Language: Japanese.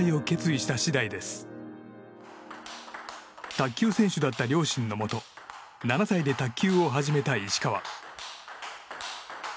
卓球選手だった両親のもと７歳で卓球を始めた石川。